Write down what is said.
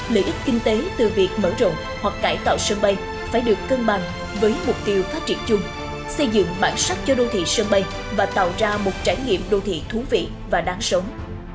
lợi ích kinh tế từ việc mở rộng hoặc cải tạo sân bay phải được cân bằng với mục tiêu phát triển chung xây dựng bản sắc cho đô thị sân bay và tạo ra một trải nghiệm đô thị thú vị và đáng sống